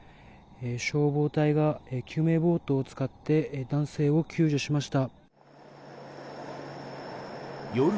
消防隊が救命ボートを使って男性を救助しました。